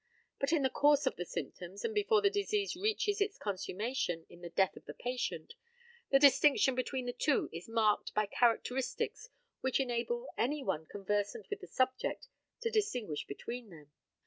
But in the course of the symptoms, and before the disease reaches its consummation in the death of the patient, the distinction between the two is marked by characteristics which enable any one conversant with the subject to distinguish between them.